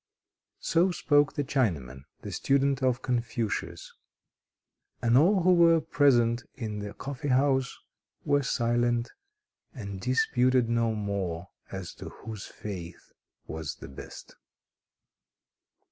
So spoke the Chinaman, the student of Confucius; and all who were present in the coffee house were silent, and disputed no more as to whose faith was the best.